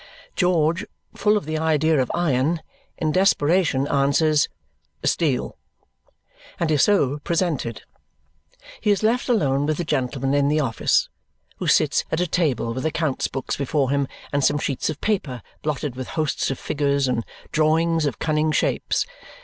George, full of the idea of iron, in desperation answers "Steel," and is so presented. He is left alone with the gentleman in the office, who sits at a table with account books before him and some sheets of paper blotted with hosts of figures and drawings of cunning shapes.